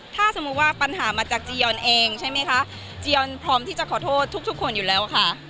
ถ้าสมมุติว่าปัญหามาจากจียอนเองใช่ไหมคะจียอนพร้อมที่จะขอโทษทุกคนอยู่แล้วค่ะ